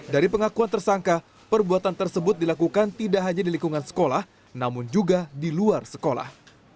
dari pengakuan tersangka perbuatan tersebut dilakukan tidak hanya di lingkungan sekolah namun juga di luar sekolah